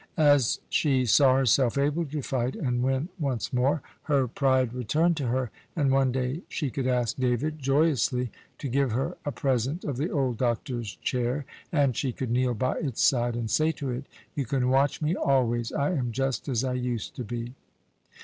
As she saw herself able to fight and win once more, her pride returned to her, and one day she could ask David, joyously, to give her a present of the old doctor's chair. And she could kneel by its side and say to it, "You can watch me always; I am just as I used to be."